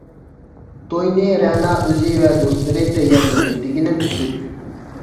توينى رەنا ئۆزى ۋە دوستلىرى تەييارلىدى، دېگىنىم تۈزۈك.